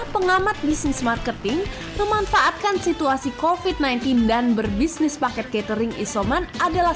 pengamat bisnis marketing memanfaatkan situasi kofit sembilan belas dan berbisnis paket catering isoman adalah